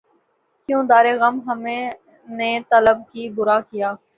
کیوں دادِ غم ہمیں نے طلب کی، بُرا کیا